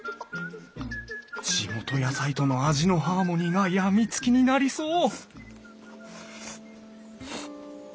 地元野菜との味のハーモニーが病みつきになりそう！